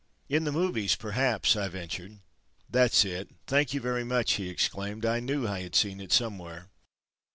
"In the movies perhaps"—I ventured. "That's it! Thank you very much!" he exclaimed. "I knew I had seen it somewhere!"